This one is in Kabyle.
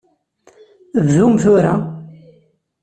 Bdum tura!